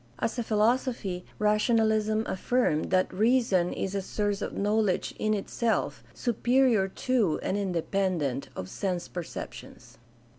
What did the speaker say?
As a philosophy, rationalism affirmed that "reason is a source of knowledge in itself, superior to and independent of sense perceptions."